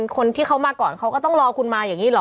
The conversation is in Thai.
คนที่เขามาก่อนเขาก็ต้องรอคุณมาอย่างนี้เหรอ